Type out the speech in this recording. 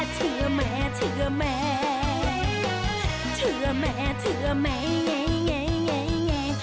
เชื่อแม่เชื่อแม่เชื่อแม่เชื่อแม่ไง